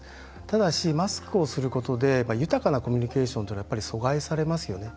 ただし、マスクをすることで豊かなコミュニケーションというのはやっぱり阻害されますよね。